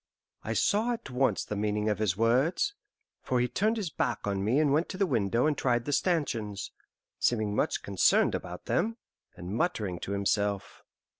I saw at once the meaning of his words, for he turned his back on me and went to the window and tried the stanchions, seeming much concerned about them, and muttering to himself.